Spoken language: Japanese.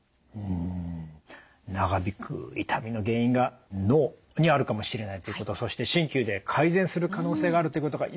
ん長引く痛みの原因が脳にあるかもしれないということそして鍼灸で改善する可能性があるということがよく分かりました。